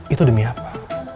itu demi apa